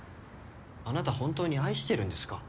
あなた本当に愛してるんですか？